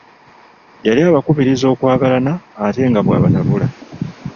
Yali abakubiriza okwagalana ate nga bw'abatabula.